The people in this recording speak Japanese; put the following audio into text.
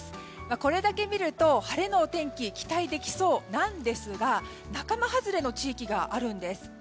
これだけ見ると晴れのお天気期待できそうなんですが仲間外れの地域があるんです。